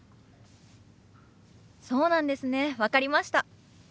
そうなんですね分かりました。